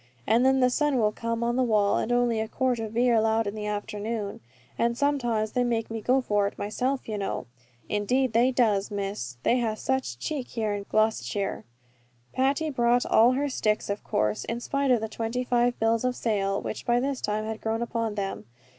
And then the sun will come on the wall, and only a quart of beer allowed all the afternoon. And sometimes they makes me go for it myself, you know! Indeed they does, Miss, they has such cheek here in Gloucestershire!" Patty brought all her sticks of course, in spite of the twenty five bills of sale, which by this time had grown upon them.